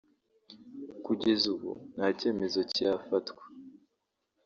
Kugeza ubu nta cyemezo kirafatwa